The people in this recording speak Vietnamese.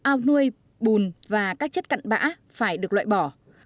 ao nuôi bùn và các chất cặn bã phải được loại bỏ